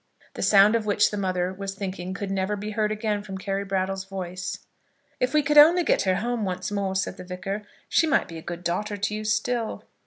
The sound of which the mother was thinking could never be heard again from Carry Brattle's voice. "If we could only get her home once more," said the Vicar, "she might be a good daughter to you still."